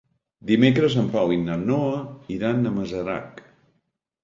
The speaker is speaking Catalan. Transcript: Dimecres en Pau i na Noa iran a Masarac.